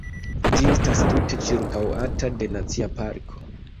Ĝi estas tute ĉirkaŭata de nacia parko.